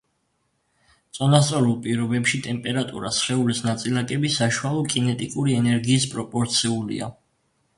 წონასწორულ პირობებში ტემპერატურა სხეულის ნაწილაკების საშუალო კინეტიკური ენერგიის პროპორციულია.